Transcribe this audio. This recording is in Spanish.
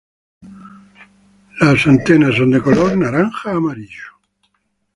Las anteras son de color naranja-amarillo.